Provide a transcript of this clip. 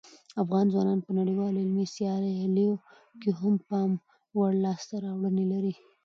افغان ځوانان په نړیوالو علمي سیالیو کې هم د پام وړ لاسته راوړنې لري.